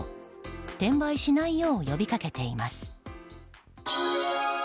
転売しないよう呼びかけています。